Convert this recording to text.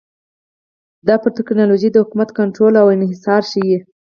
دا پر ټکنالوژۍ د حکومت کنټرول او انحصار ښيي